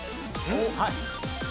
はい。